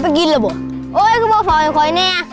โอ้ยก็บอกฟองอย่างค่อยแน่